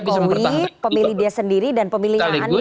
pemilih pak jokowi pemilih dia sendiri dan pemilihnya anies gitu ya